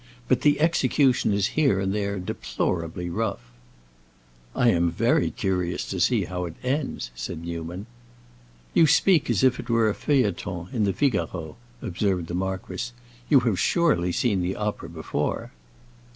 But the execution is here and there deplorably rough." "I am very curious to see how it ends," said Newman. "You speak as if it were a feuilleton in the Figaro," observed the marquis. "You have surely seen the opera before?"